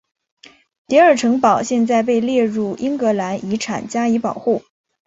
迪尔城堡现在被列入英格兰遗产加以保护。